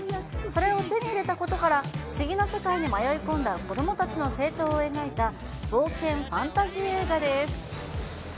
これを手に入れたことから、不思議な世界に迷い込んだ子どもたちの成長を描いた、冒険ファンタジー映画です。